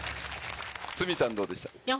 鷲見さんどうでした？